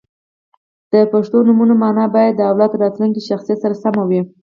• د پښتو نومونو مانا باید د اولاد د راتلونکي شخصیت سره سمه وي.